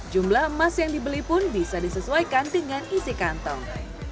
jumlah emas yang dibeli pun bisa disesuaikan dengan isi kantong